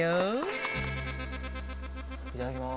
いただきます。